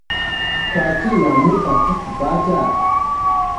kwaki namuka kukupata?